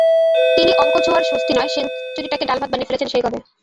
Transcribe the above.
না, তিন অঙ্ক ছোঁয়ার স্বস্তি নয়, সেঞ্চুরিটাকে ডাল-ভাত বানিয়ে ফেলেছেন সেই কবে।